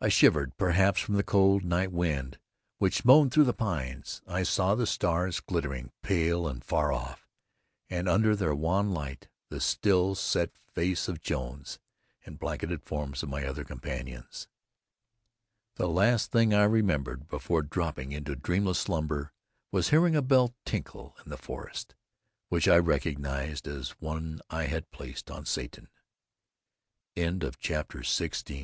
I shivered, perhaps from the cold night wind which moaned through the pines; I saw the stars glittering pale and far off, and under their wan light the still, set face of Jones, and blanketed forms of my other companions. The last thing I remembered before dropping into dreamless slumber was hearing a bell tinkle in the forest, which I recognized as the one I had placed on Satan.